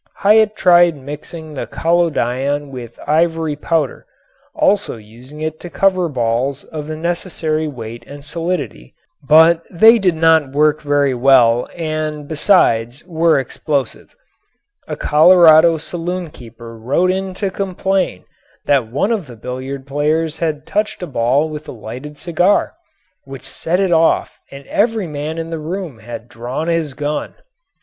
Hyatt tried mixing the collodion with ivory powder, also using it to cover balls of the necessary weight and solidity, but they did not work very well and besides were explosive. A Colorado saloon keeper wrote in to complain that one of the billiard players had touched a ball with a lighted cigar, which set it off and every man in the room had drawn his gun.